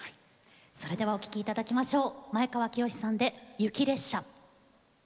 それではお聴きいただきましょう。